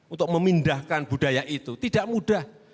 untuk memindahkan budaya itu tidak mudah